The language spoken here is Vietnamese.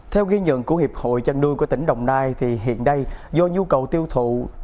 theo ghi nhận của hiệp hội trang nuôi của tỉnh đồng nai hiện nay do nhu cầu tiêu thụ